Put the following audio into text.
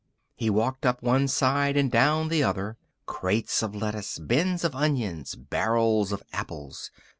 He walked up one side and down the other. Crates of lettuce, bins of onions, barrels of apples.